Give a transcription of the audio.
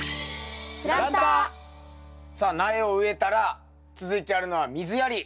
さあ苗を植えたら続いてやるのは水やり。